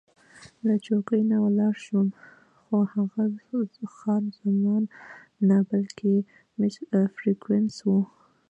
له چوکۍ نه راولاړ شوم، خو هغه خان زمان نه، بلکې مس فرګوسن وه.